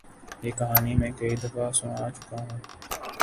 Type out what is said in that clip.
یہ کہانی میں کئی دفعہ سنا چکا ہوں۔